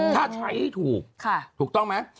ถ้าใช้ให้ถูกถูกต้องไหม